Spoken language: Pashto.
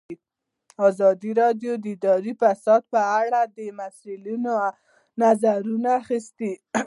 ازادي راډیو د اداري فساد په اړه د مسؤلینو نظرونه اخیستي.